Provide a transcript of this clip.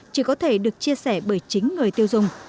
chỉ có thể được chia sẻ bởi chính người tiêu dùng